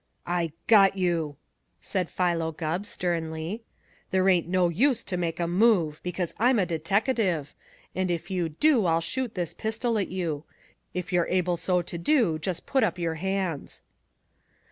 "I got you!" said Philo Gubb sternly. "There ain't no use to make a move, because I'm a deteckative, and if you do I'll shoot this pistol at you. If you're able so to do, just put up your hands."